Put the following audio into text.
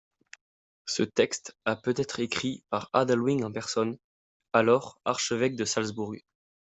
Ce texte a peut-être écrit par Adalwin en personne, alors archevêque de Salzbourg.